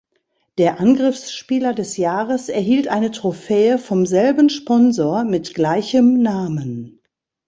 Der Angriffsspieler des Jahres erhielt eine Trophäe vom selben Sponsor mit gleichem Namen.